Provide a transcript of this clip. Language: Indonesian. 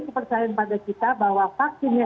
kepercayaan pada kita bahwa vaksinnya